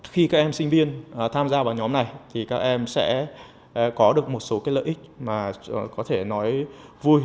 khi các em sinh viên tham gia vào nhóm này thì các em sẽ có được một số lợi ích mà có thể nói vui